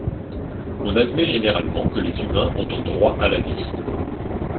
On admet généralement que les humains ont un droit à la vie.